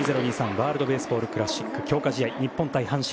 ワールド・ベースボール・クラシック強化試合日本対阪神。